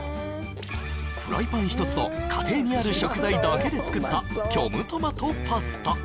フライパン一つと家庭にある食材だけで作った虚無トマトパスタ